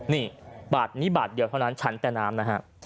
นี่บาทนี้บาทเดียวเท่านั้นฉันแต่น้ำนะฮะ